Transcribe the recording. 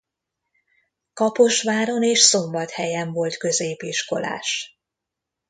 Kaposváron és Szombathelyen volt középiskolás.